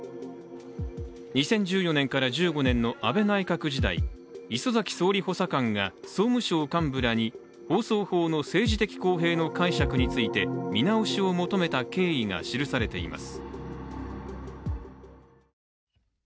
２０１４年から１５年の安倍内閣時代礒崎総理補佐官が総務省幹部らに放送法の政治的公平の解釈について見直しを求めた経緯が記されています。